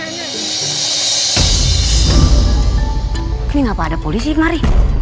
ini ngapa ada polisi mari